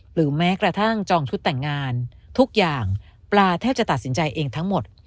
หรือแม้กระทั่งจองชุดแต่งงานทุกอย่างปลาแทบจะตัดสินใจเองทั้งหมด